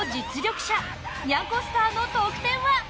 にゃんこスターの得点は？